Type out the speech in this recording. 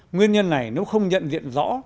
nguyên nhân này nếu không nhận diện rõ